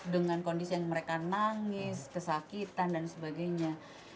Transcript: dengan kondisi yang mereka nangis kesakitan dan sebagainya